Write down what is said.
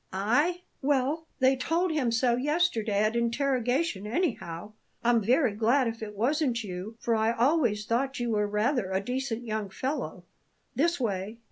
I?" "Well, they told him so yesterday at interrogation, anyhow. I'm very glad if it wasn't you, for I always thought you were rather a decent young fellow. This way!"